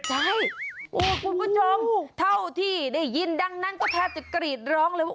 ใช่คุณผู้ชมเท่าที่ได้ยินดังนั้นก็แทบจะกรีดร้องเลยว่า